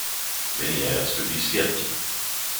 Many ads could be skipped.